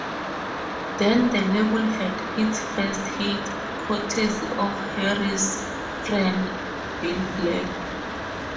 Then the label had its first hit, courtesy of Harris' friend, Bill Black.